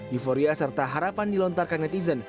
euforia serta harapan dilontarkan netizen